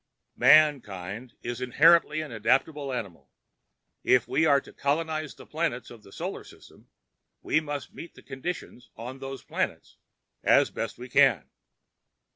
"Mankind is inherently an adaptable animal. If we are to colonize the planets of the Solar System, we must meet the conditions on those planets as best we can.